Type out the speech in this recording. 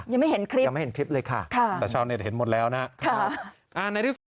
ยังไม่เห็นคลิปค่ะแต่ชาวเน็ตเห็นหมดแล้วนะครับ